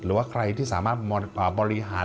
หรือว่าใครที่สามารถบริหาร